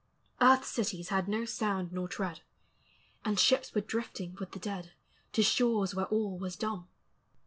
Earth's cities had no sound nor tread; And ships were drifting with the dead To shores where all was dumb!